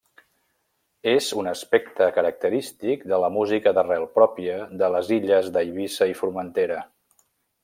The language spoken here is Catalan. És un aspecte característic de la música d'arrel pròpia de les illes d'Eivissa i Formentera.